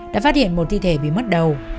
đã phát hiện một thi thể bị mất đầu